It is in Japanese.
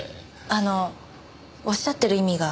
あのおっしゃってる意味が。